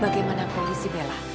bagaimana polisi bella